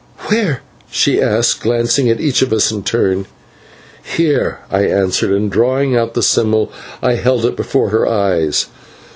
"/Where?/" she asked glancing at each of us in turn. "/Here/," I answered, and, drawing out the symbol, I held it before her eyes.